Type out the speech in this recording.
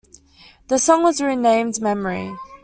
The song was renamed "Memory".